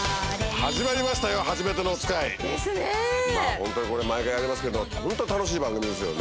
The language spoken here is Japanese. ホントにこれ毎回やりますけどホント楽しい番組ですよね。